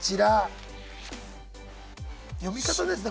読み方ですね